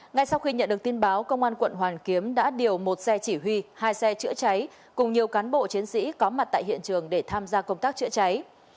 ngay sau khi nhận được tin báo công an quận hoàn kiếm đã điều một xe chỉ huy hai xe chữa cháy cùng nhiều cán bộ chiến sĩ có mặt tại hiện trường để tham gia công tác chữa cháy